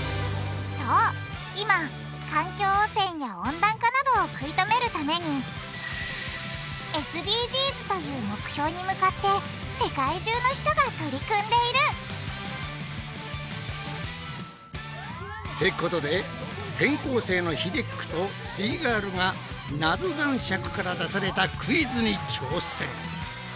そう今環境汚染や温暖化などを食い止めるためにＳＤＧｓという目標に向かって世界中の人が取り組んでいる！ってことで転校生のひでっくとすイガールがナゾ男爵から出されたクイズに挑戦！